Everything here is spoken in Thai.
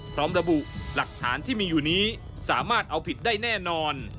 พร้อมระบุหลักฐานที่มีอยู่นี้สามารถเอาผิดได้แน่นอน